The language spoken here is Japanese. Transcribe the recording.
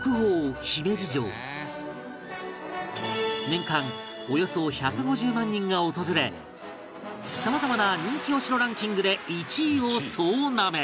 年間およそ１５０万人が訪れさまざまな人気お城ランキングで１位を総なめ